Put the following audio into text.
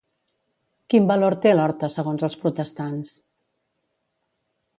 Quin valor té l'horta segons els protestants?